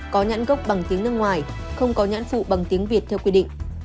có nhãn gốc bằng tiếng nước ngoài không có nhãn phụ bằng tiếng việt theo quy định